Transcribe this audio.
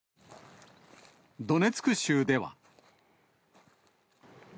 ドネツク州では。